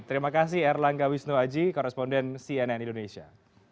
terima kasih erlangga wisnu aji koresponden cnn indonesia